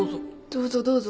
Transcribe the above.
どうぞどうぞ。